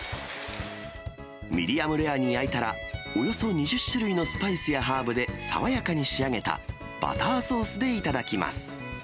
ミディアムレアに焼いたら、およそ２０種類のスパイスやハーブで爽やかに仕上げた、バターソースで頂きます。